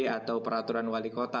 atau peraturan wali kota